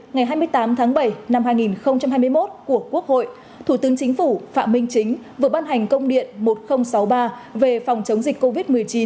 ngày hai mươi tám tháng bảy năm hai nghìn hai mươi một của quốc hội thủ tướng chính phủ phạm minh chính vừa ban hành công điện một nghìn sáu mươi ba về phòng chống dịch covid một mươi chín